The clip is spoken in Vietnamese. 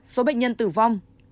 ba số bệnh nhân tử vong